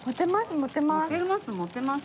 持てます。